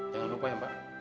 jangan lupa ya mbak